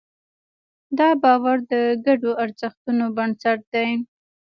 دا باور د ګډو ارزښتونو بنسټ دی.